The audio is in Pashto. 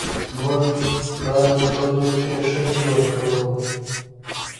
موږ په بدو کې ښځې ورکوو